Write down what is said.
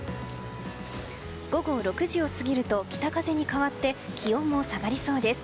午後６時を過ぎると北風に変わって気温も下がりそうです。